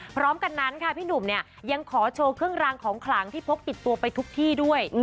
พร้อมกันนั้นค่ะพี่หนุ่มเนี่ยยังขอโชว์เครื่องรางของขลังที่พกติดตัวไปทุกที่ด้วย